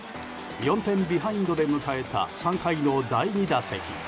４点ビハインドで迎えた３回の第２打席。